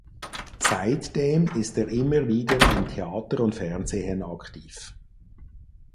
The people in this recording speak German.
Seitdem ist er immer wieder in Theater und Fernsehen aktiv.